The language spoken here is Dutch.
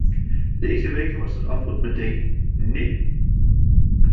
Deze week was het antwoord meteen "nee".